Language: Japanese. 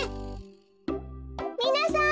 みなさん